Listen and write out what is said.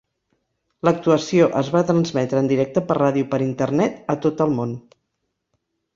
L'actuació es va transmetre en directe per ràdio per Internet a tot el món.